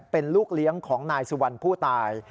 เป็นลูกเลี้ยงของนายสุวรรณผู้ตาย